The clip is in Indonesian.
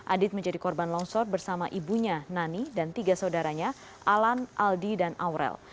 adit menjadi korban longsor bersama ibunya nani dan tiga saudaranya alan aldi dan aurel